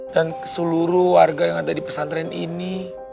dan ke seluruh warga yang ada di pesantren ini